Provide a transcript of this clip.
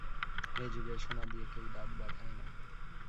এ-যুগে সোনা দিয়ে কেউ দাঁত বাঁধায় না।